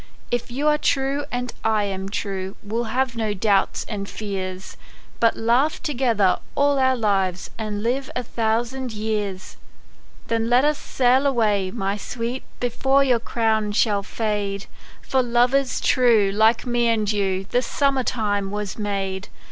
If you are true and I am true, We'll have no doubts and fears ; But laugh together all our lives, And live a thousand years. ANYHOW STORIES. [STORY ix. Then let us sail away, my sweet, Before your crown shall fade ; For lovers true, like me and you, The summer time was made.